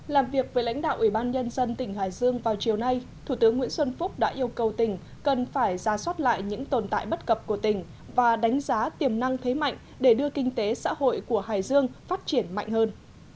làm việc với lãnh đạo ủy ban nhân dân tỉnh hải dương vào chiều nay thủ tướng nguyễn xuân phúc đã yêu cầu tỉnh cần phải ra soát lại những tồn tại bất cập của tỉnh và đánh giá tiềm năng thế mạnh để đưa kinh tế xã hội của hải dương phát triển mạnh hơn